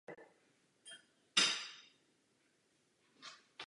Třetí otázka se vztahuje k hodnocení Rumunska a Bulharska.